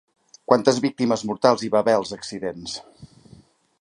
Quantes víctimes mortals hi va haver als accidents?